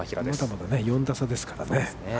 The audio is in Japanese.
まだまだ４打差ですからね。